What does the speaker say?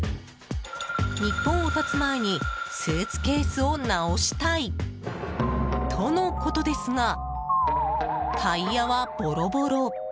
日本を発つ前にスーツケースを直したい。とのことですがタイヤはボロボロ。